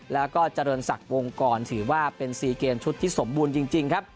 แล้วก็เจริญศักดิ์วงกรถือว่าเป็น๔เกมชุดที่สมบูรณ์จริงครับ